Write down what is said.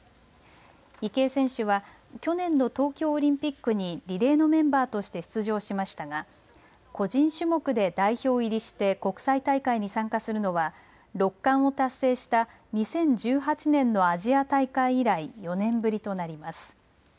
池江選手は去年の東京オリンピックにリレーのメンバーとして出場しましたが個人種目で代表入りして国際大会に参加するのは６冠を達成した２０１８年のアジア大会以来４年ぶりとなります。